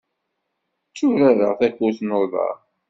Tturareɣ takurt n uḍar.